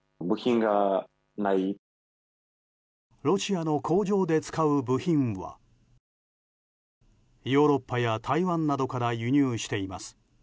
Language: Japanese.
ロシアの工場で使う部品はヨーロッパや台湾などから輸入しています。